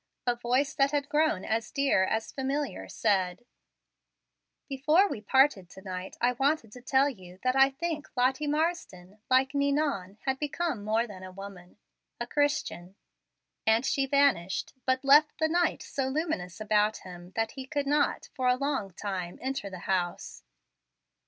A voice that had grown as dear as familiar said, "Before we parted to night I wanted to tell you that I think Lottie Marsden, like Ninon, has become more than a woman, a Christian." And she vanished, but left the night so luminous about him that he could not, for a long time, enter the house.